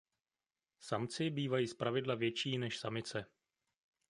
Samci bývají zpravidla větší než samice.